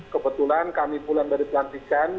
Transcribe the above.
kebetulan kami pulang dari pelantikan